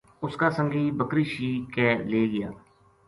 اُس کا سنگی بکری شیک کے لے گیا